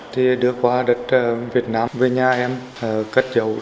thì đưa qua đất việt nam về nhà em cất dấu